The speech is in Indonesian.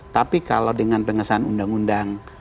tapi kalau dengan pengesahan undang undang